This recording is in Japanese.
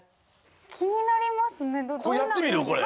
きになりますね！